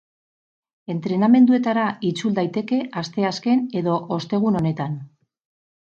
Entrenamenduetara itzul daiteke asteazken edo ostegun honetan.